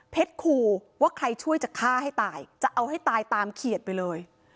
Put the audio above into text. ขู่ว่าใครช่วยจะฆ่าให้ตายจะเอาให้ตายตามเขียดไปเลย